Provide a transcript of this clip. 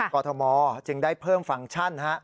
กฎมจึงได้เพิ่มฟังก์ชันฮะ